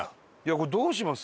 これどうします？